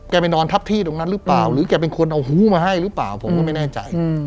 ไปนอนทับที่ตรงนั้นหรือเปล่าหรือแกเป็นคนเอาฮู้มาให้หรือเปล่าผมก็ไม่แน่ใจ